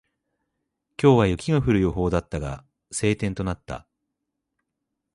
今日は雪が降る予報だったが、晴天となった。